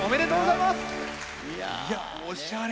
いやおしゃれ。